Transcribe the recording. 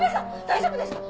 大丈夫ですか？